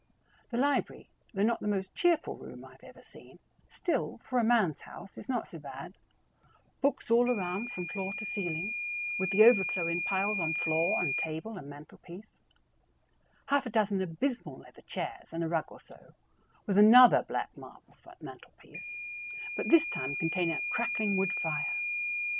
The library, though not the most cheerful room I have ever seen, still, for a man's house, is not so bad books all around from floor to ceiling, with the overflow in piles on floor and table and mantelpiece; half a dozen abysmal leather chairs and a rug or so, with another black marble mantelpiece, but this time containing a crackling wood fire.